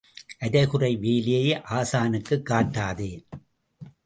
அரை குறை வேலையை ஆசானுக்குக் காட்டாதே.